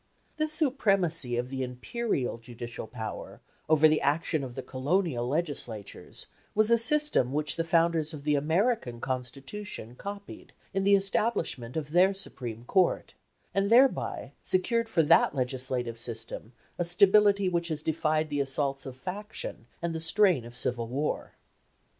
This supremacy of the imperial judicial power over the action of the Colonial Legislatures was a system which the founders of the American Constitution copied in the establishment of their supreme Court, and thereby secured for that legislative system a stability which has defied the assaults of faction and the strain of civil war.